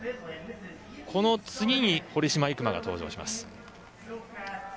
この次に堀島行真が登場します。